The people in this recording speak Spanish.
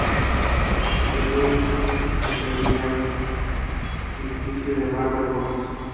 El Superior es un supervillano ficticio en Marvel Comics.